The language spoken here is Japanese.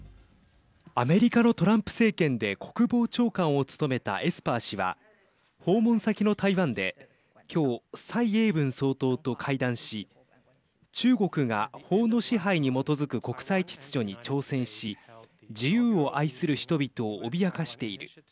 アメリカのトランプ政権で国防長官を務めたエスパー氏は訪問先の台湾できょう、蔡英文総統と会談し中国が法の支配に基づく国際秩序に挑戦し自由を愛する人々を脅かしている。